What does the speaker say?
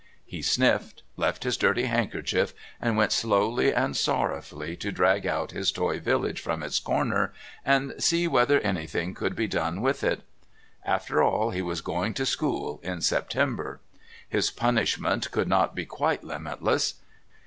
He sniffed, left his dirty handkerchief, and went slowly and sorrowfully to drag out his toy village from its corner and see whether anything could be done with it.... After all, he was going to school in September. His punishment could not be quite limitless.